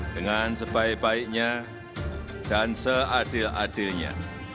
dengan sebaik baiknya dan seadil adilnya